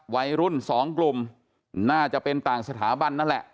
วัยรุ่นสองกลุ่มน่าจะเป็นต่างสถาบันนั่นแหละ